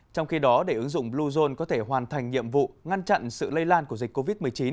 trong khi đó để ứng dụng bluezone có thể hoàn thành nhiệm vụ ngăn chặn sự lây lan của dịch covid một mươi chín